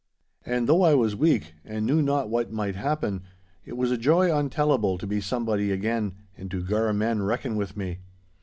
And though I was weak, and knew not what might happen, it was a joy untellable to be somebody again, and to gar men reckon with me.